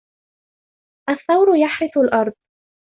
الثَّوْرُ يَحْرِثُ الْأرْضَ.